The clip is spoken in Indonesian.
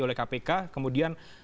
oleh kpk kemudian